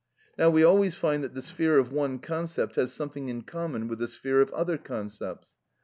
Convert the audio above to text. Now we always find that the sphere of one concept has something in common with the sphere of other concepts.